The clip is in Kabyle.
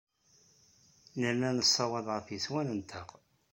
Nella nessawaḍ ɣer yeswan-nteɣ.